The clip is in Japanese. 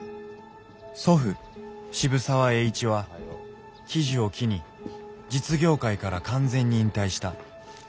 祖父渋沢栄一は喜寿を機に実業界から完全に引退した。